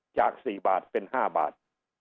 จาก๔บาทเป็น๕บาท